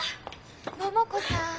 桃子さん